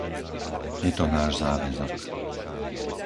Je to náš záväzok.